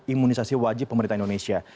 imunisasi wajib pemerintah indonesia